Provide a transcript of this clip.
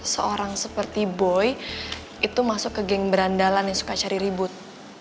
seorang seperti boy itu masuk ke geng berandalan yang suka cari ribut